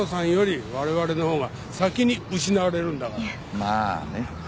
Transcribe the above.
まあね。